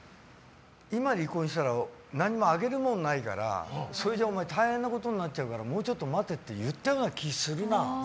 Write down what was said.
今、離婚したら何もあげるものないからお前大変なことになっちゃうからもうちょっと待てって言ったような気がするな。